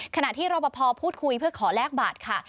ขณะที่รอปภพูดคุยเพื่อขอแลกบัตรค่ะ